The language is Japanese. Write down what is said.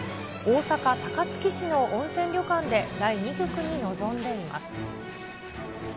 大阪・高槻市の温泉旅館で、第２局に臨んでいます。